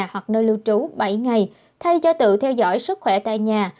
hoặc nơi lưu trú bảy ngày thay cho tự theo dõi sức khỏe tại nhà